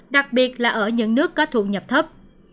đặc biệt là ở những nước có thu nhập thấp